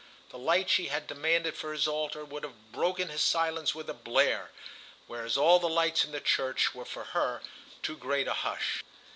The light she had demanded for his altar would have broken his silence with a blare; whereas all the lights in the church were for her too great a hush.